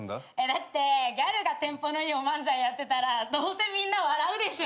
だってギャルがテンポのいいお漫才やってたらどうせみんな笑うでしょ？